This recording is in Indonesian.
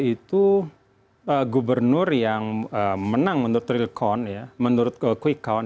itu gubernur yang menang menurut rilkon menurut kwikon